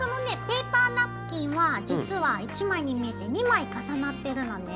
ペーパーナプキンは実は１枚に見えて２枚重なってるのね。